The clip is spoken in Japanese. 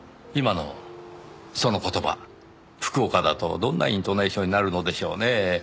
今のその言葉福岡だとどんなイントネーションになるのでしょうねぇ？